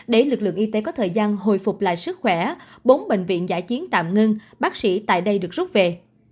để lực lượng y tế có thời gian hồi phục lại sức khỏe bốn bệnh viện giải chiến tạm ngưng bác sĩ tại đây được rút về